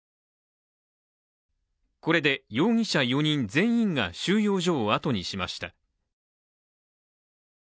これで容疑者４人全員が収容所をあとにしました。